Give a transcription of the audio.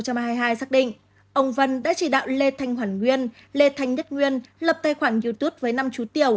bức thẩm vào cuối năm hai nghìn hai mươi hai xác định ông vân đã chỉ đạo lê thanh hoàn nguyên lê thanh nhất nguyên lập tài khoản youtube với năm chú tiểu